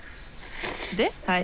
ではい。